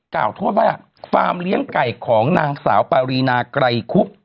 ความเลี้ยงไก่ของนางสาวปารีนาไกรคุบ